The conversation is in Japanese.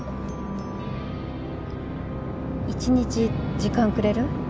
１日時間くれる？